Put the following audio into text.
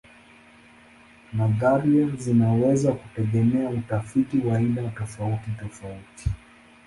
Nadharia zinaweza kutegemea utafiti wa aina tofautitofauti.